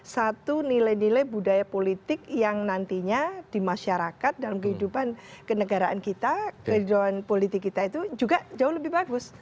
satu nilai nilai budaya politik yang nantinya di masyarakat dalam kehidupan kenegaraan kita kehidupan politik kita itu juga jauh lebih bagus